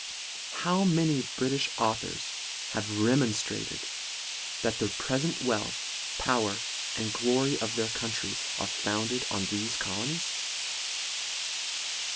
' How many British authors have demonstrated, that the present wealth, power and glory of their country, are founded upon these colonies